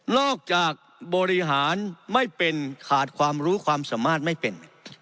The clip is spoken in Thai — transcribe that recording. จากบริหารไม่เป็นขาดความรู้ความสามารถไม่เป็น